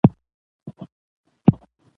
یاقوت د افغانستان د طبعي سیسټم توازن ساتي.